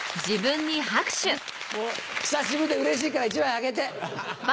久しぶりでうれしいから１枚あげて。